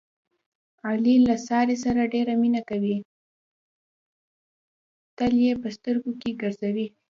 علي له سارې سره ډېره مینه کوي، تل یې په سترګو کې ګرځوي.